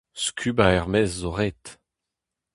Skubañ er-maez zo ret,